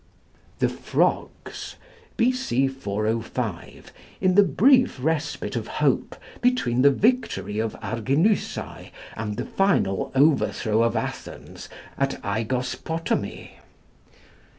'The Frogs,' B.C. 405, in the brief respite of hope between the victory of Arginusæ and the final overthrow of Athens at Ægospotami.